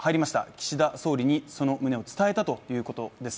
岸田総理にその旨を伝えたということです。